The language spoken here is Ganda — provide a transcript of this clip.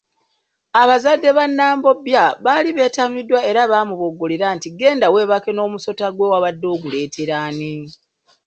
Abazadde ba Nambobya baali beetamiddwa era baamuboggolera nti genda weebake n’omusota gwo wabadde oguleetera ani?